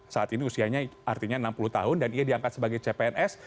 saat ini usianya artinya enam puluh tahun dan ia diangkat sebagai cpns